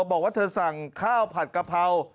บอกว่าเธอสั่งข้าวผัดกะเพรา